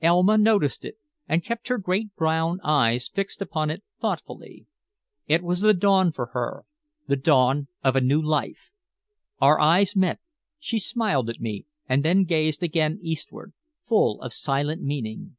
Elma noticed it, and kept her great brown eyes fixed upon it thoughtfully. It was the dawn for her the dawn of a new life. Our eyes met; she smiled at me, and then gazed again eastward, full of silent meaning.